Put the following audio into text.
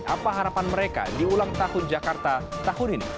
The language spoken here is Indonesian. apa harapan mereka di ulang tahun jakarta tahun ini